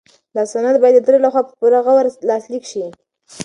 دا سند باید د تره لخوا په پوره غور لاسلیک شي.